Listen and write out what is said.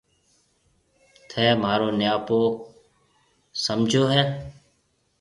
ٿَي مهارو نَياپو سمجهيَو هيَ۔